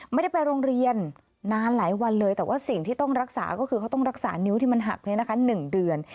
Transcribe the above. ไม่ได้ไปโรงเรียนนานหลายวันเลยแต่ว่าสิ่งที่ต้องรักษาก็คือเขาต้องรักษานิ้วที่มันหัก๑เดือน